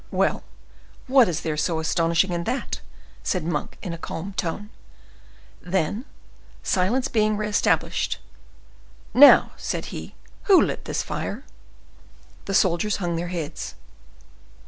"Well, what is there so astonishing in that?" said Monk, in a calm tone. Then, silence being re established,—"Now," said he, "who lit this fire?" The soldiers hung their heads.